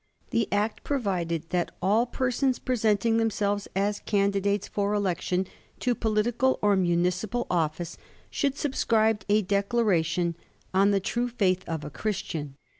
The Act provided that all persons presenting themselves as candidates for election to political or municipal office should subscribe a declaration "on the true faith of a Christian."